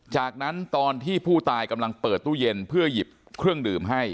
จากนั้นตอนที่ผู้ตายกำลังเปิดตู้เย็นเพื่อหยิบเครื่องดื่มให้